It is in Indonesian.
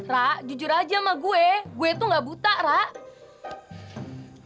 rene jujur aja sama gue gue tuh gak buta rene